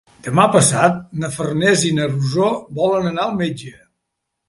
Demà passat na Farners i na Rosó volen anar al metge.